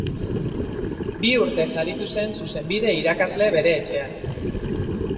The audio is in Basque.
Bi urtez aritu zen zuzenbide irakasle bere etxean.